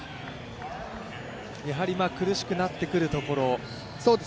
やはり今、苦しくなってくるところ？